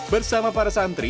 bersama para santri